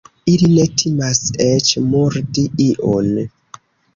Ili ne timas eĉ murdi iun.